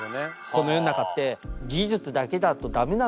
この世の中って技術だけだと駄目なのよ。